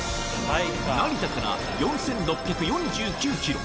成田から４６４９ｋｍ